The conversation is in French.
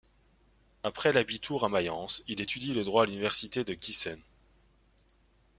Après l'abitur à Mayence, il étudie le droit à l'université de Giessen.